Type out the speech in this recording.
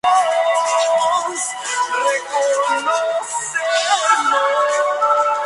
Este programa de aprendizaje duplicó el número de estudiantes anualmente.